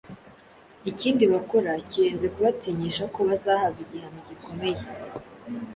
ikindi bakora kirenze kubatinyisha ko bazahabwa igihano gikomeye